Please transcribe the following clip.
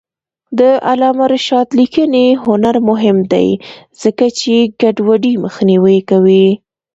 د علامه رشاد لیکنی هنر مهم دی ځکه چې ګډوډي مخنیوی کوي.